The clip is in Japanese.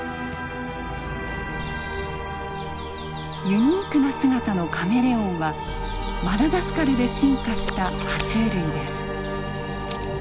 ユニークな姿のカメレオンはマダガスカルで進化したは虫類です。